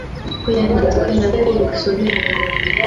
uko yanditswe nabwo bisomeka